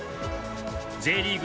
Ｊリーグ